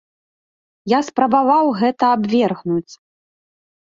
Я спрабаваў гэта абвергнуць.